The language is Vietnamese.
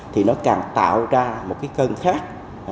thì nó càng tạo ra một cái cơn khác